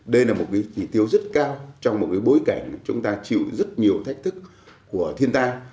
đây là một cái chỉ tiêu rất cao trong một bối cảnh chúng ta chịu rất nhiều thách thức của thiên tai